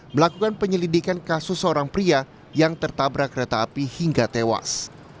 melakukan penyelidikan kasus seorang pria yang tertabrak kereta api hingga tewas